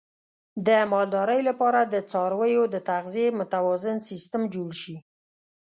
د مالدارۍ لپاره د څارویو د تغذیې متوازن سیستم جوړ شي.